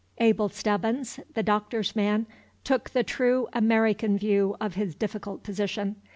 Abel Stebbins, the Doctor's man, took the true American view of his difficult position.